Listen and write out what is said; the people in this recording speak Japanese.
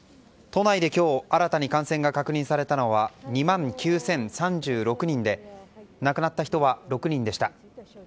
都内で今日新たに感染が確認されたのは２万９０３６人で亡くなった人は６人でした。